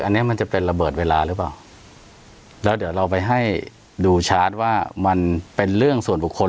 อันนี้มันจะเป็นระเบิดเวลาหรือเปล่าแล้วเดี๋ยวเราไปให้ดูชาร์จว่ามันเป็นเรื่องส่วนบุคคล